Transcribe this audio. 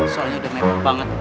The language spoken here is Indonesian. soalnya udah memer banget